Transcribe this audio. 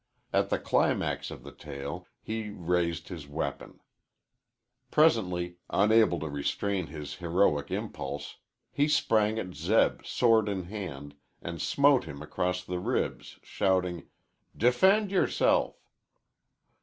At the climax of the tale he raised his weapon. Presently, unable to restrain his heroic impulse, he sprang at Zeb, sword in hand, and smote him across the ribs, shouting, "Defend yourself!"